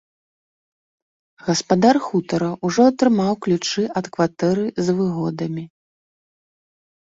Гаспадар хутара ўжо атрымаў ключы ад кватэры з выгодамі.